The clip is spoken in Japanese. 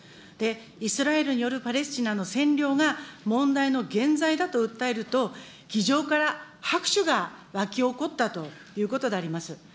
イスラエルによるパレスチナの占領が問題の原罪だと訴えると、議場から拍手が沸き起こったということであります。